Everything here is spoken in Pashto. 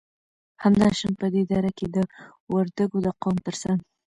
همدا شان په دې دره کې د وردگو د قوم تر څنگ